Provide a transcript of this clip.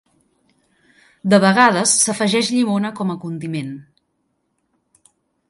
De vegades s'afegeix llimona com a condiment.